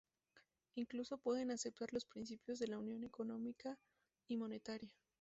Incluso, pueden aceptar los principios de la Unión Económica y Monetaria.